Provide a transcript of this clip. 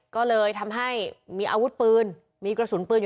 พวกมันต้องกินกันพี่